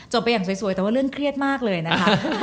ไปอย่างสวยแต่ว่าเรื่องเครียดมากเลยนะคะ